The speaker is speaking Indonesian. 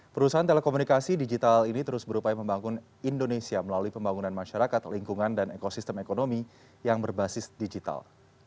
perusahaan telekomunikasi digital ini terus berupaya membangun indonesia melalui pembangunan masyarakat lingkungan dan ekosistem ekonomi yang berbasis digital